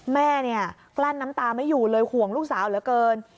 แม่เนี่ยกลั้นน้ำตาไม่อยู่เลยห่วงลูกสาวเหลือเกิน